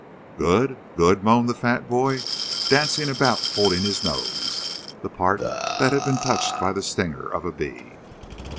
"Good? Good?" moaned the fat boy, dancing about holding his nose, the part that had been touched by the stinger of a bee.